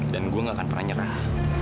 dan gue gak akan pernah nyerah